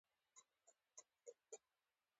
نو دا ټول لګښت دکريم په غاړه شو.